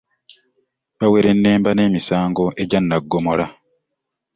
Bawerennemba n'emisango egya naggomola.